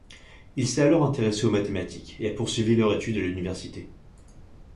Il s'est alors intéressé aux mathématiques et a poursuivi leur étude à l'université.